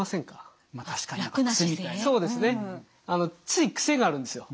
つい癖があるんですよ。